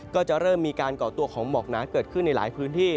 ก็จะเริ่มมีการก่อตัวของหมอกหนาเกิดขึ้นในหลายพื้นที่